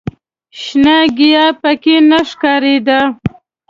شنه ګیاه په کې نه ښکارېده.